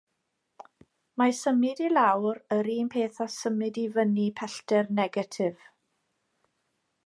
Mae symud i lawr yr un peth â symud i fyny pellter negatif.